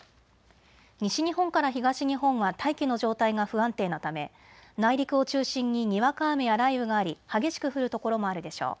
西日本から東日本は大気の状態が不安定なため、内陸を中心ににわか雨や雷雨があり激しく降る所もあるでしょう。